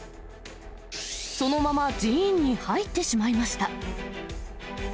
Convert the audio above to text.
そのまま寺院に入ってしまいました。